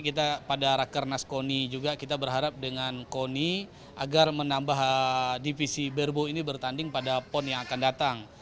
kita pada rakernas koni juga kita berharap dengan koni agar menambah divisi berbo ini bertanding pada pon yang akan datang